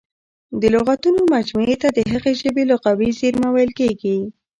د لغاتونو مجموعې ته د هغې ژبي لغوي زېرمه ویل کیږي.